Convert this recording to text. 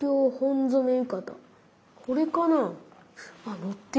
これかな？